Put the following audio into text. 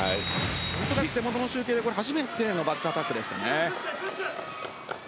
手元の集計で初めてのバックアタックですからね。